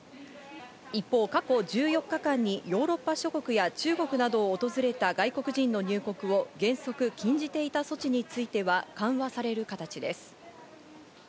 一方、過去１４日間にヨーロッパ諸国や中国などを訪れた外国人の入国を原則禁じていた措置については緩和される形です。